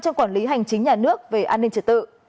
trong quản lý hành chính nhà nước về an ninh trật tự